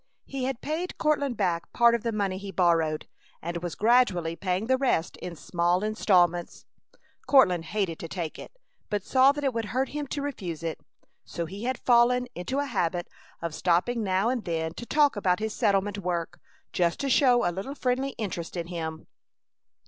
He had paid Courtland back part of the money he borrowed, and was gradually paying the rest in small instalments. Courtland hated to take it, but saw that it would hurt him to refuse it; so he had fallen into a habit of stopping now and then to talk about his settlement work, just to show a little friendly interest in him.